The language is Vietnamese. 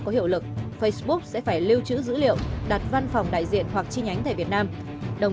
có hiệu lực facebook sẽ phải lưu trữ dữ liệu đặt văn phòng đại diện hoặc chi nhánh tại việt nam đồng